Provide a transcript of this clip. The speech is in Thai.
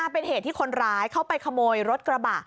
เป็นเหตุที่คนร้ายเข้าไปขโมยรถกระบะ